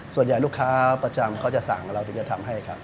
ส่วนใหญ่ลูกค้าประจำเขาจะสั่งเราจะทำให้ครับ